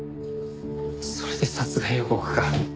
それで殺害予告か。